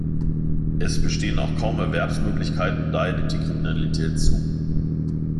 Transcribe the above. Es bestehen auch kaum Erwerbsmöglichkeiten, daher nimmt die Kriminalität zu.